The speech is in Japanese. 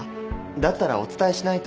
だったらお伝えしないと。